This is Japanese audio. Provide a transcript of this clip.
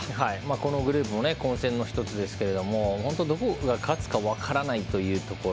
このグループも混戦の一つですけども本当どこが勝つか分からないというところ。